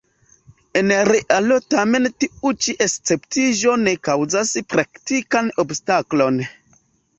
En realo tamen tiu ĉi esceptiĝo ne kaŭzas praktikan obstaklon.